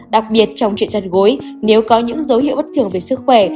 đặc biệt trong chuyện chăn gối nếu có những dấu hiệu bất thường về sức khỏe